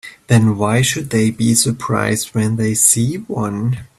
Then why should they be surprised when they see one?